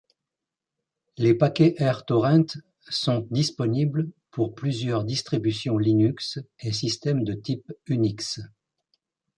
Les paquets rTorrent sont disponibles pour plusieurs distributions Linux et systèmes de type Unix.